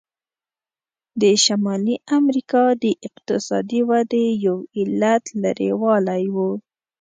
د شمالي امریکا د اقتصادي ودې یو علت لرې والی و.